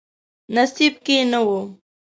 نصیب کې نه و.